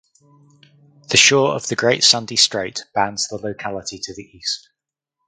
The shore of the Great Sandy Strait bounds the locality to the east.